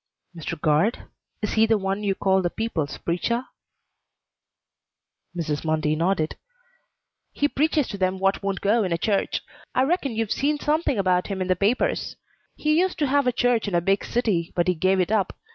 "Mr. Guard? Is he the one you call the people's preacher?" Mrs. Mundy nodded. "He preaches to them what won't go in a church. I reckon you've seen something about him in the papers. He used to have a church in a big city, but he gave it up.